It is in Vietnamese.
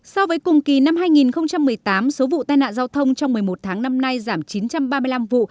so với cùng kỳ năm hai nghìn một mươi tám số vụ tai nạn giao thông trong một mươi một tháng năm nay giảm chín trăm ba mươi năm vụ